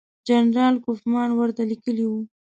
جنرال کوفمان ورته لیکلي وو.